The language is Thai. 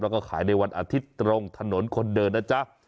แล้วก็ขายในวันอาทิตย์ตรงถนนคนเดินนะจ๊ะ